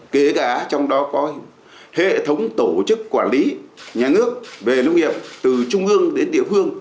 kể cả trong đó có hệ thống tổ chức quản lý nhà nước về nông nghiệp từ trung ương đến địa phương